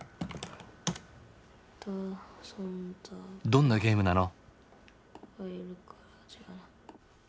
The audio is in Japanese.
どんなゲームなの？